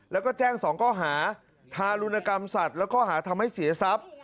แล้วก็แจ้ง๒ข้อหาทารุณกรรมสัตว์แล้วก็หาทำให้เสียทรัพย์